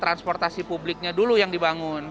transportasi publiknya dulu yang dibangun